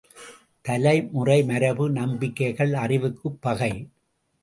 தலைமுறை மரபு நம்பிக்கைகள் அறிவுக்குப் பகை.